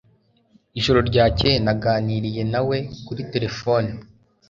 Ijoro ryakeye naganiriye nawe kuri terefone.